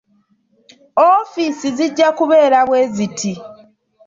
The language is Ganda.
Ofiisi zijja kubeera bweziti.